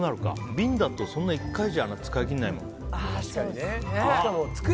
瓶だとそんな１回じゃ使い切らないもんね。